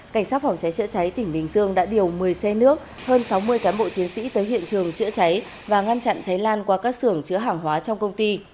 cảnh sát phòng cháy chữa cháy tỉnh bình dương đã điều một mươi xe nước hơn sáu mươi cán bộ chiến sĩ tới hiện trường chữa cháy và ngăn chặn cháy lan qua các xưởng chữa hàng hóa trong công ty